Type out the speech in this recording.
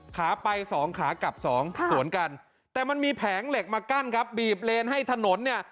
ขาไปสองขากลับสองสวนกันแต่มันมีแผงเหล็กมากั้นครับบีบเลนให้ถนนเนี่ย